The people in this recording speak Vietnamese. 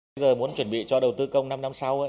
bây giờ muốn chuẩn bị cho đầu tư công năm năm sau